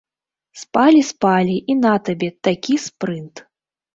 Спалі-спалі, і на табе, такі спрынт!